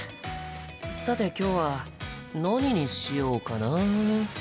さて今日は何にしようかな？